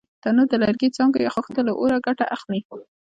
تنور د لرګي، څانګو یا خښتو له اوره ګټه اخلي